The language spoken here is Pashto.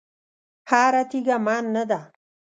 هره تېږه من نه ده.